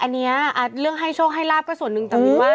เนียเรื่องให้โชคให้ราบก็ส่วนหนึ่ง